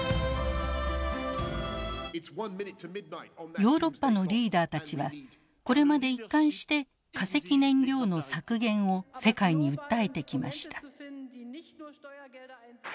ヨーロッパのリーダーたちはこれまで一貫して化石燃料の削減を世界に訴えてきました。